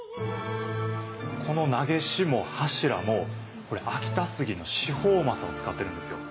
この長押も柱もこれ秋田杉の四方柾を使ってるんですよ。